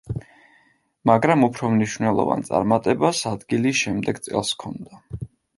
მაგრამ უფრო მნიშვნელოვან წარმატებას ადგილი შემდეგ წელს ჰქონდა.